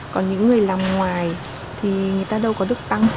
còn những người làm ngoài thì người ta đâu có được tăng